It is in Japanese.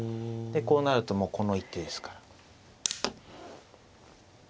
こうなるともうこの一手ですから。